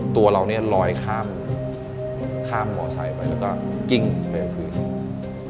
ตัวเราเนี่ยลอยข้ามมอไซค์ไปแล้วก็กิ้งไปกับพื้น